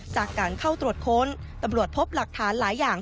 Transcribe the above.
จากการเข้าตรวจค้นตำรวจพบหลักฐานหลายอย่าง